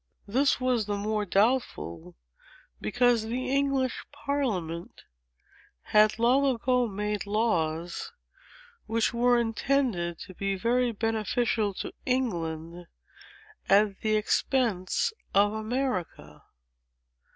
This was the more doubtful, because the English Parliament had long ago made laws which were intended to be very beneficial to England, at the expense of America.